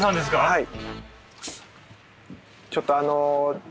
はい。